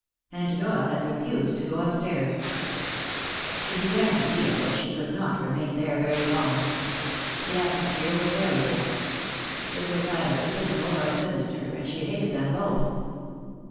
And Doyle had refused to go upstairs. She began to feel that she could not remain there very long. The atmosphere was variable. It was either cynical or sinister, and she hated them both.